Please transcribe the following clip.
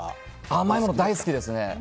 甘いもの大好きですね。